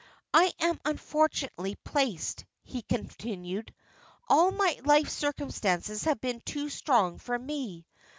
"I am unfortunately placed," he continued. "All my life circumstances have been too strong for me.